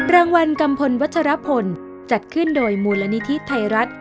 รางวัลกัมพลวัชรพลจัดขึ้นโดยมูลนิธิไทยรัฐ